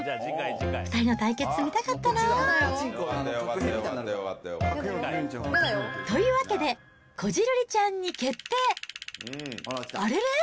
２人の対決、見たかったな。というわけで、こじるりちゃんに決定、あれれ？